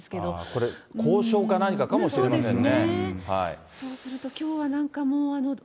これ、校章か何かかもしれませんね。